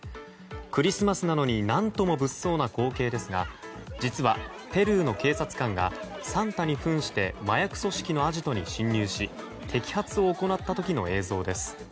クリスマスなのに何とも物騒な光景ですが実はペルーの警察官がサンタに扮して麻薬組織のアジトに侵入し摘発を行った時の映像です。